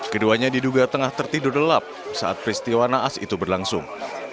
keduanya diduga tengah tertidur lelap saat peristiwa naas itu berlangsung